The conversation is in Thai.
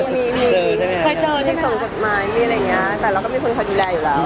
มีมีส่งกฎหมายมีอะไรอย่างเงี้ยแต่เราก็มีคนคอยดูแลอยู่แล้ว